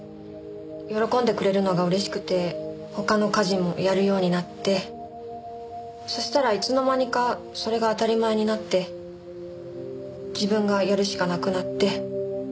喜んでくれるのが嬉しくて他の家事もやるようになってそしたらいつの間にかそれが当たり前になって自分がやるしかなくなって。